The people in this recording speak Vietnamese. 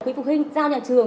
quỹ phụ huynh giao nhà trường